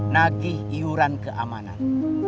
nagih iuran keamanan